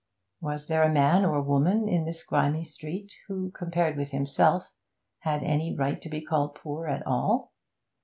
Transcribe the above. Was there a man or woman in this grimy street who, compared with himself, had any right to be called poor at all?